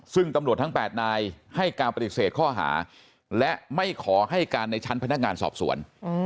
ซึ่งตำรวจทั้ง๘นายให้การปฏิเสธข้อหาและไม่ขอให้การในชั้นพนักงานสอบสวน